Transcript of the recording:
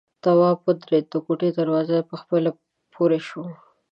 تواب ودرېد، د کوټې دروازه په خپله پورې شوه.